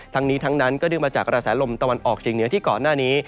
ทั้งนี้ทั้งนั้นก็เนื่องมาจากกระแสลมตะวันออกเฉียงเหนือที่ก่อนหน้านี้